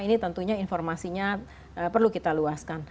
ini tentunya informasinya perlu kita luaskan